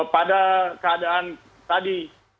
pada keadaan tadi